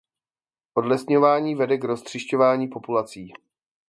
Odlesňování vede k roztříšťování populací.